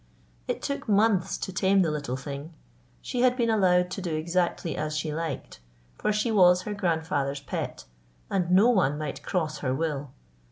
It took months to tame the little thing. She had been allowed to do exactly as she liked; for she was her grandfather's pet, and no one might cross her will.